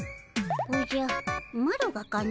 おじゃマロがかの？